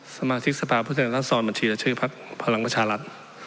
สมาธิกษภาพุทธแหละทรรศรบัญชีและชื่อภรรคประชาหรัฐ